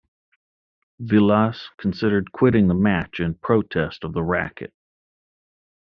Vilas considered quitting the match in protest of the racquet.